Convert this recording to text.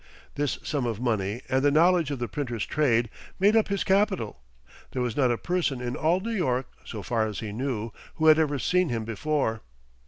This sum of money and the knowledge of the printer's trade made up his capital. There was not a person in all New York, so far as he knew, who had ever seen him before.